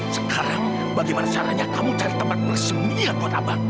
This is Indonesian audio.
sekarang bagaimana caranya kamu cari tempat bersemia buat abang